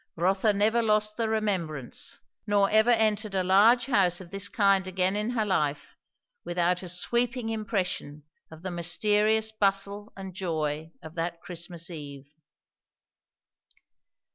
Rotha never lost the remembrance, nor ever entered a large house of this kind again in her life without a sweeping impression of the mysterious bustle and joy of that Christmas eve.